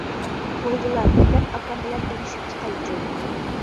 بولدىلا بىردەم ئاكام بىلەن ئۇرۇشۇپ چىقايچۇ!